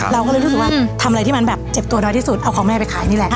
เราก็เลยรู้สึกว่าทำอะไรที่มันแบบเจ็บตัวน้อยที่สุดเอาของแม่ไปขายนี่แหละ